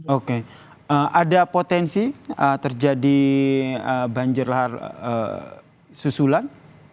oke ada potensi terjadi banjir lahar susulan